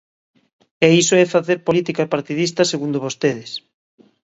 E iso é facer política partidista segundo vostedes.